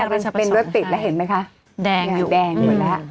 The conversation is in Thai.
เป็นรถติดแล้วเห็นไหมคะแดงอยู่แดงหมดแล้ว